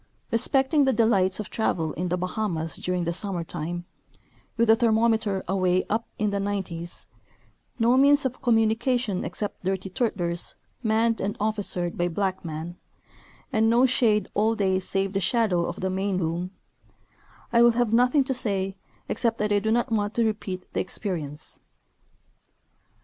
Respecting the delights of travel in the Bahamas during the summer time, with the thermometer away up in the nineties, no means of communica tion except dirty " turtlers " manned and ofiicered by black men, and no shade all day save the shadow of the main boom, I will have nothing to say, except that I do not want to repeat the experience.